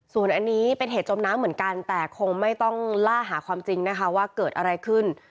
ส่วนอันนี้เป็นเหตุจมน้ำเหมือนกันแต่คงไม่ต้องล่าหาความจริงนะคะว่าเกิดอะไรขึ้น